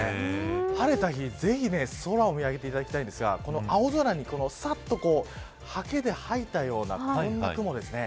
晴れた日は、ぜひ空を見上げていただきたいんですがこの青空にさっと、はけではいたよなこんな雲ですね。